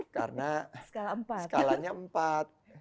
karena skalanya empat